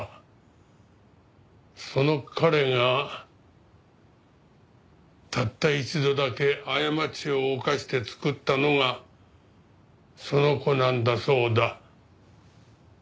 その彼がたった一度だけ過ちを犯してつくったのがその子なんだそうだ。